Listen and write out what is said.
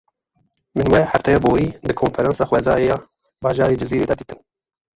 Min, we hefteya borî di konferansa xwezayê ya bajarê Cizîrê de dîtin.